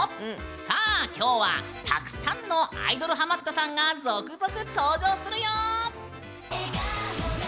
さあ、今日はたくさんのアイドルハマったさんが続々登場するよ！